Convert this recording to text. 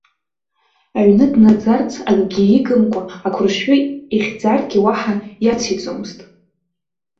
Аҩны днаӡарц акгьы игымкәа ақәаршҩы ихьӡаргьы, уаҳа иациҵомызт.